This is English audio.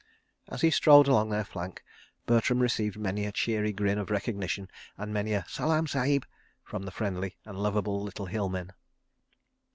As he strolled along their flank, Bertram received many a cheery grin of recognition and many a "Salaam, Sahib," from the friendly and lovable little hill men.